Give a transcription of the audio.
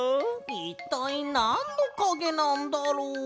いったいなんのかげなんだろう？